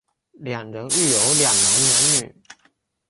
两人育有两男两女。